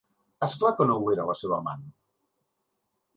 És clar que no ho era, la seva amant